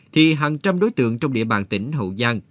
thì hàng trăm đối tượng trong địa bàn tỉnh hậu giang